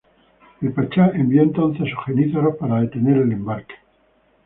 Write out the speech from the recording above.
El Pachá envió entonces a sus jenízaros para detener el embarque.